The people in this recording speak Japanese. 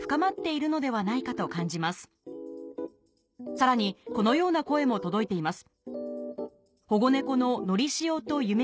さらにこのような声も届いています